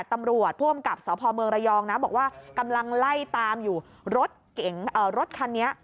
ตำรวจผู้อำกับสมรยองบอกว่ากำลังไล่ตามอยู่รถรถคันนี้